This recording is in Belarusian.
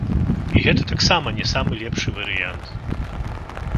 І гэта таксама не самы лепшы варыянт.